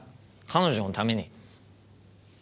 彼女のために。